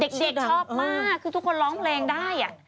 เด็กชอบมากคือทุกคนร้องเพลงได้